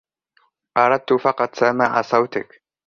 أردت فقط سماع صوتك.